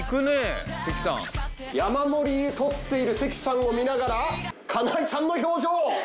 山盛り取っている関さんを見ながら金井さんの表情。